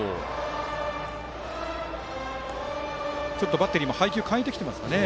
バッテリーも配球を変えてきていますかね。